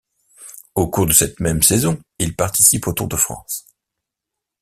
Au cours de cette même saison, il participe au Tour de France.